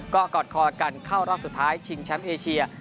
ก็กอดคอกันเข้ารอบสุดท้ายชิงแชมป์เอเชีย